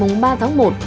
hà nội ngày ba tháng một